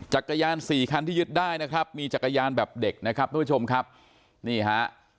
จักรยานสี่คันที่ยึดได้นะครับมีจักรยานแบบเด็กนะครับทุกผู้ชมครับนี่ฮะ